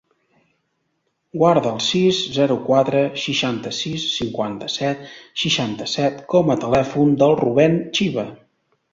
Guarda el sis, zero, quatre, seixanta-sis, cinquanta-set, seixanta-set com a telèfon del Rubèn Chiva.